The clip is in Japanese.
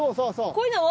こういうのを。